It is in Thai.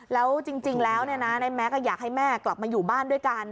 แล้วจริงแล้วในแม็กซ์อยากให้แม่กลับมาอยู่บ้านด้วยกัน